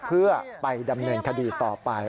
เพื่อไปดำเนินคดีต่อไป